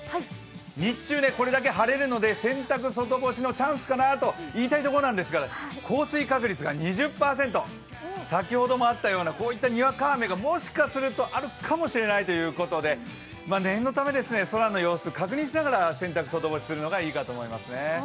日中、これだけ晴れるので洗濯外干しのチャンスかなと言いたいところなんですが、降水確率が２０％先ほどもあったような、こういったにわか雨がもしかしたらあるかもしれないということで念のため、空の様子を確認しながら洗濯、外干しするのがいいかもしれません。